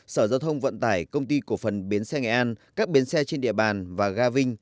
sở giao thông vận tải công ty cổ phần bến xe nghệ an các bến xe trên địa bàn và ga vinh